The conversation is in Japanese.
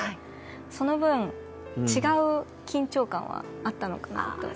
その分、違う緊張感はあったのかなと。